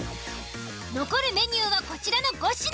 残るメニューはこちらの５品。